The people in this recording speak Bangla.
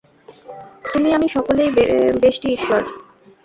তুমি, আমি সকলেই ব্যষ্টি- ঈশ্বর।